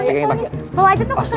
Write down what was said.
bawa aja tuh kesini